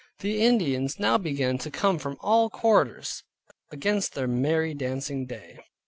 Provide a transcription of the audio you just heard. The Indians now began to come from all quarters, against their merry dancing day.